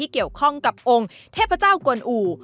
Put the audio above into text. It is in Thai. ของเทพเจ้ากวนอู๋